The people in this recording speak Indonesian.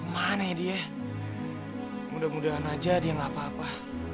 mana ya dia mudah mudahan aja dia gak apa apa